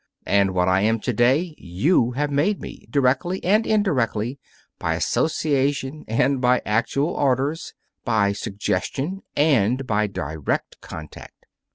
And what I am to day you have made me, directly and indirectly, by association and by actual orders, by suggestion, and by direct contact.